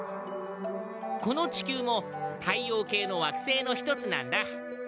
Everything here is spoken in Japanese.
この地球も太陽系の惑星の一つなんだ。